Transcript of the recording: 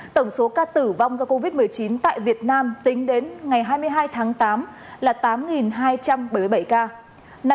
tổng số ca tử vong do covid một mươi chín tại việt nam tính đến ngày hai mươi hai tháng tám là tám hai trăm bảy mươi bảy ca